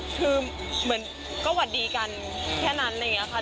คือเหมือนก็หวัดดีกันแค่นั้นอะไรอย่างนี้ค่ะ